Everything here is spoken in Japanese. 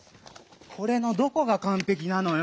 これのどこがかんぺきなのよ！